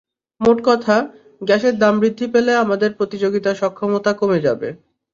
মোট কথা, গ্যাসের দাম বৃদ্ধি পেলে আমাদের প্রতিযোগিতা সক্ষমতা কমে যাবে।